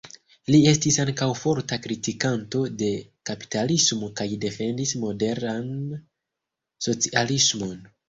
Li estis ankaŭ forta kritikanto de kapitalismo kaj defendis moderan socialismon.